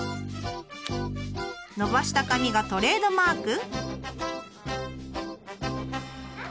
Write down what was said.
伸ばした髪がトレードマーク。